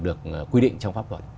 được quy định trong pháp luật